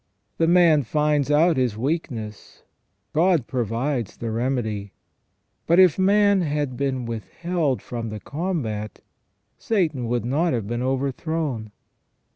The man finds out his weakness ; God provides the remedy. But if man had been withheld from the combat, Satan would not have been overthrown.